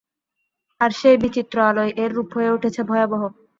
আর সেই বিচিত্র আলোয় এর রূপ হয়ে উঠেছে ভয়াবহ।